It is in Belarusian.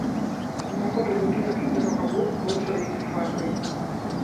Уваход у будынак з левага боку быў заліты фарбай.